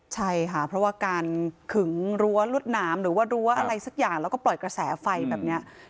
ใช่ค่ะเพราะว่าการขึงรั้วรวดหนามหรือว่ารั้วอะไรสักอย่างแล้วก็ปล่อยกระแสไฟแบบนี้